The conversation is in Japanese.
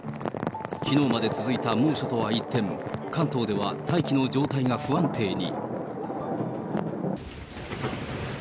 きのうまで続いた猛暑とは一転、関東では大気の状態が不安定に。